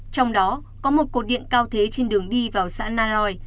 trong đó có một cột điện cao thế trên đường đi vào xã na roi